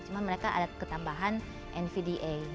cuma mereka ada ketambahan nvda